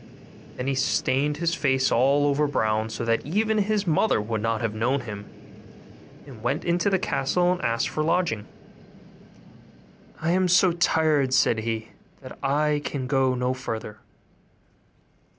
Then he stained his face all over brown, so that even his mother would not have known him, and went into the castle and asked for a lodging; 'I am so tired,' said he, 'that I can go no farther.